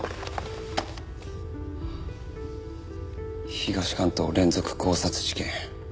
東関東連続強殺事件。